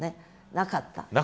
なかった。